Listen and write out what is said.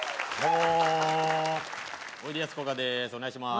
お願いします